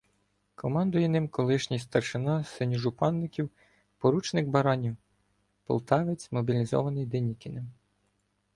Командує ним колишній старшина синьожупанників поручник Баранів, полтавець, мобілізований Денікіним.